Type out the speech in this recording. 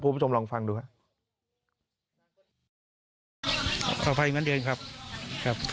คุณผู้ชมลองฟังดูคะ